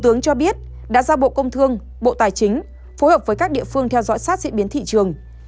tướng cho biết đã ra bộ công thương bộ tài chính phối hợp với các địa phương theo dõi sát diễn biến thị trường